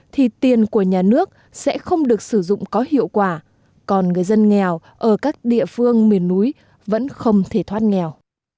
thì tiền của nhà nước sẽ không được sử dụng có hiệu quả còn người dân nghèo ở các địa phương miền núi vẫn không thể thoát nghèo